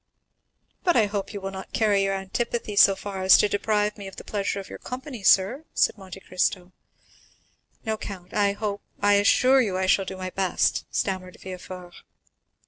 "But I hope you will not carry your antipathy so far as to deprive me of the pleasure of your company, sir," said Monte Cristo. "No, count,—I hope—I assure you I shall do my best," stammered Villefort.